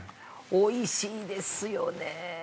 おいしいですよね。